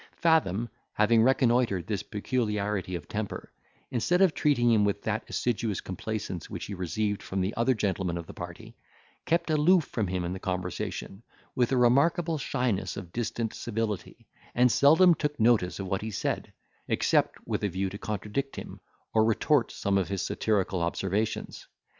Fathom having reconnoitred this peculiarity of temper, instead of treating him with that assiduous complaisance, which he received from the other gentlemen of the party, kept aloof from him in the conversation, with a remarkable shyness of distant civility, and seldom took notice of what he said, except with a view to contradict him, or retort some of his satirical observations.